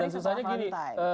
dan susahnya gini